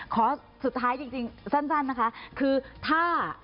ขอสุดท้ายจริงสั้นนะคะ